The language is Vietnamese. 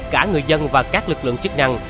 cả người dân và các lực lượng chức năng